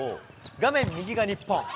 画面右が日本。